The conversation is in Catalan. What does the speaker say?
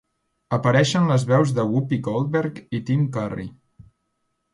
Apareixen les veus de Whoopi Goldberg i Tim Curry.